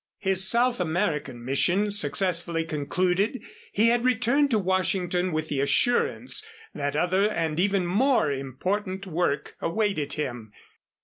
His South American mission successfully concluded, he had returned to Washington with the assurance that other and even more important work awaited him.